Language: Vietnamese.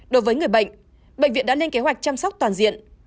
đối với người bệnh bệnh viện đã lên kế hoạch chăm sóc toàn diện